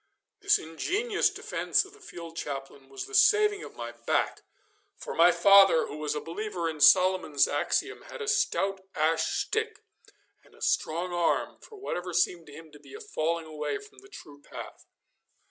This ingenious defence of the field chaplain was the saving of my back, for my father, who was a believer in Solomon's axiom, had a stout ash stick and a strong arm for whatever seemed to him to be a falling away from the true path.